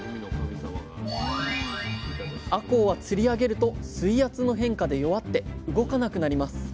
あこうは釣り上げると水圧の変化で弱って動かなくなります。